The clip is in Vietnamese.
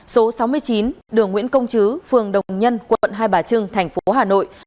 số sáu mươi chín đường nguyễn công chứ phường đồng nhân quận hai bà trưng thành phố hà nội